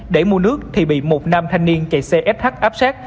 để mua nước thì bị một nam thanh niên chạy xe sh áp sát